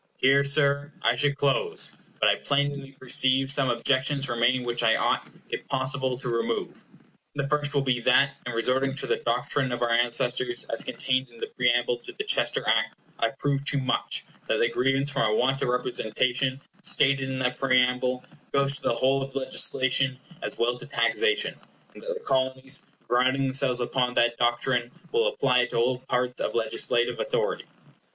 Here, Sir, I should close, but I plainly perceive some objections remain which I ought, if possible, to remove. The first will be that, in resorting to the doctrine of our ancestors, as contained in the preamble to the Chester Act, I prove too much, that the grievance from a want of representation, stated in that preamble, goes to the whole of legislation as well as to taxation, and that the Colonies, grounding themselves upon that doctrine, will apply it to all parts of legislative authority.